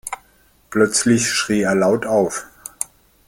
Plötzlich schrie er laut auf.